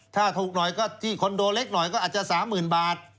ถ้าถูกหน่อยก็ที่คอนโดเล็กหน่อยก็อาจจะ๓๐๐๐บาท